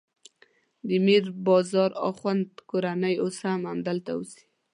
د میر بازار اخوند کورنۍ اوس هم همدلته اوسي.